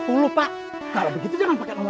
kalau begitu jangan pakai nomor empat puluh dua